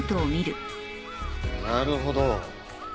なるほど。